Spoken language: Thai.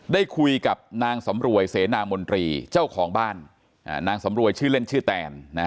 ได้คุยกับนางสำรวยเสนามนตรีเจ้าของบ้านนางสำรวยชื่อเล่นชื่อแตน